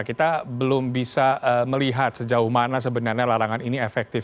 kita belum bisa melihat sejauh mana sebenarnya larangan ini efektif